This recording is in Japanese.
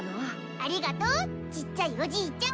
ありがとうちっちゃいおじいちゃん！